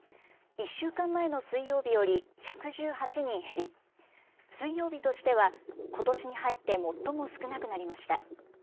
１週間前の水曜日より１１８人減り、水曜日としてはことしに入って最も少なくなりました。